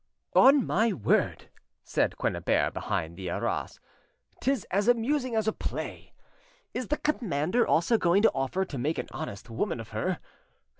"On my word!" said Quennebert behind the arras, "'tis as amusing as a play! Is the commander also going to offer to make an honest woman of her?